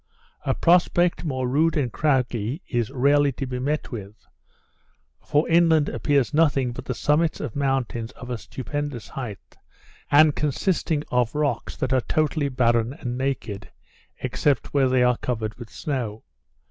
A prospect more rude and craggy is rarely to be met with, for inland appears nothing but the summits of mountains of a stupendous height, and consisting of rocks that are totally barren and naked, except where they are covered with snow.